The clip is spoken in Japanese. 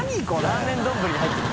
ラーメンどんぶりに入ってる。